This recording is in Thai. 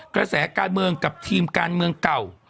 กระแสการเมืองกับทีมการเมืองเก่า